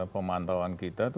pemantauan kita itu